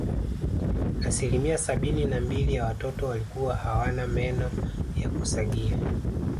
Asilimia sabini na mbili ya watoto walikuwa hawana meno ya kusagia